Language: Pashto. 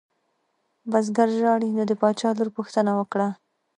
بزګر ژاړي نو د باچا لور پوښتنه وکړه.